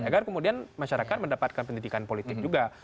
agar kemudian masyarakat mendapatkan pendidikan politik juga